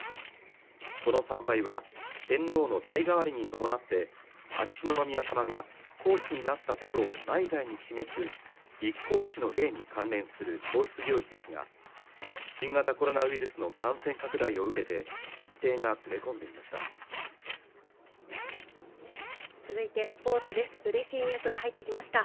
この参拝は天皇の代替わりに伴って秋篠宮さまが皇嗣になったことを内外に示す立皇嗣の礼に関連する皇室行事ですが新型コロナウイルスの感染拡大を受けて日程がずれ込んでいました